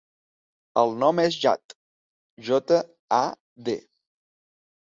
El nom és Jad: jota, a, de.